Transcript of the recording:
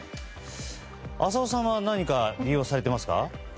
浅尾さんは何か利用されていますか？